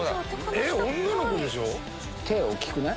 えっ女の子でしょ？